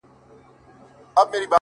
څنگه دي د زړه سيند ته غوټه سمه!